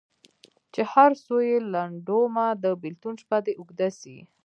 چي هر څو یې لنډومه د بېلتون شپه دي اوږده سي